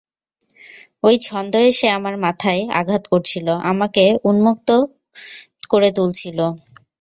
ঐ ছন্দ এসে আমার মাথায় আঘাত করছিল, আমাকে উন্মত্ত করে তুলছিল।